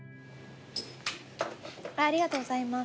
ありがとうございます。